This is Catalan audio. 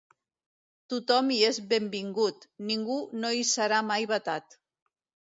Tothom hi és benvingut, ningú no hi serà mai vetat.